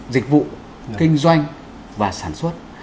dịch vụ kinh doanh và sản xuất